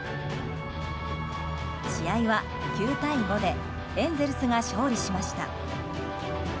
試合は９対５でエンゼルスが勝利しました。